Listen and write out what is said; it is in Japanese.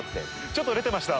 ちょっと出てました。